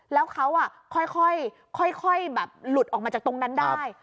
แล้วเขาค่อยแบบหลุดออกมาจากตรงนั้นได้